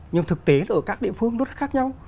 nhưng thực tế ở các địa phương nó rất khác nhau